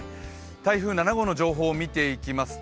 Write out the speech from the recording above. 台風７号の情報を見ていきますと